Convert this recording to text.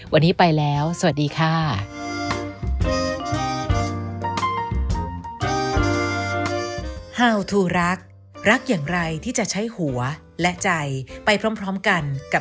วันนี้ไปแล้วสวัสดีค่ะ